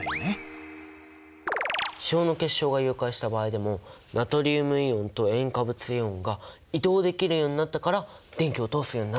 塩の結晶が融解した場合でもナトリウムイオンと塩化物イオンが移動できるようになったから電気を通すようになったんだ。